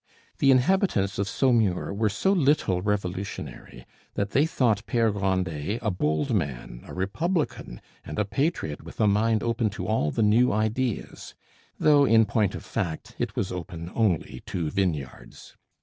The inhabitants of Saumur were so little revolutionary that they thought Pere Grandet a bold man, a republican, and a patriot with a mind open to all the new ideas; though in point of fact it was open only to vineyards.